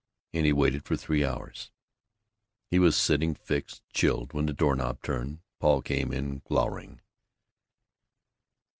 And he waited for three hours. He was sitting fixed, chilled, when the doorknob turned. Paul came in glowering.